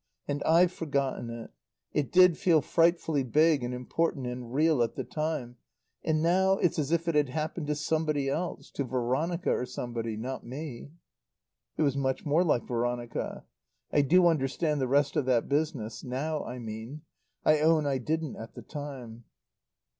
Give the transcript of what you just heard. And I've forgotten it. It did feel frightfully big and important and real at the time. And now it's as if it had happened to somebody else to Veronica or somebody not me." "It was much more like Veronica. I do understand the rest of that business. Now, I mean. I own I didn't at the time."